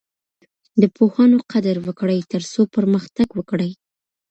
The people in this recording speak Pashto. د پوهانو قدر وکړئ ترڅو پرمختګ وکړئ.